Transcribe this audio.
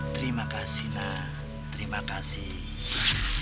terima kasih nak terima kasih